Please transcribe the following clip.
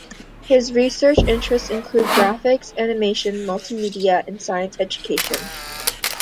His research interests include graphics, animation, multimedia, and science education.